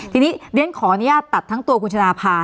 ทีนี้เรียนขออนุญาตตัดทั้งตัวคุณชนะพา